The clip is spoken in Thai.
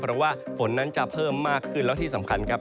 เพราะว่าฝนนั้นจะเพิ่มมากขึ้นแล้วที่สำคัญครับ